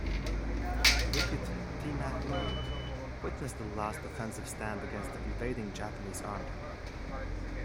Bukit Timah Road witnessed the last defensive stand against the invading Japanese army.